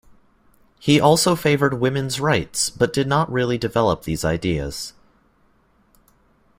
He also favored women's rights but did not really develop these ideas.